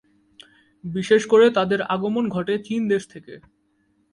বিশেষ করে তাদের আগমন ঘটে চীন দেশ থেকে।